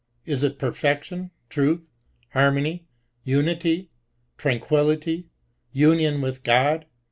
Is it perfection, truth, harmony, unity, tranquillity, union with God